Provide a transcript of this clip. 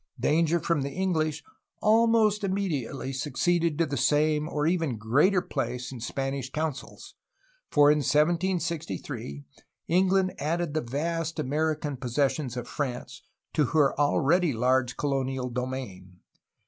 Danger from the English almost immediately succeeded to the same or even a greater place in Spanish councils, for in 1763 England added the vast American possessions of France to her already large colonial domain.